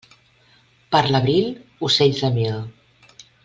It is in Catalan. Per l'abril, ocells a mil.